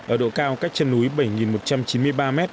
ở độ cao cách chân núi bảy một trăm chín mươi ba m